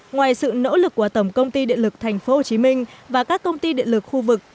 ngoài sự nỗ lực của tổng công ty điện lực tp hcm và các công ty điện lực khu vực